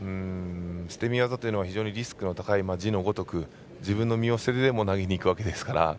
捨て身技というのは非常にリスクの高い、字のごとく自分の身を捨ててでも投げにいくわけですから。